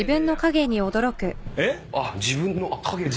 えっ？